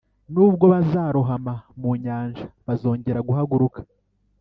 nubwo bazarohama mu nyanja bazongera guhaguruka;